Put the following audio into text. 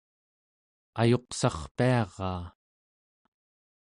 ayuqsarpiaraa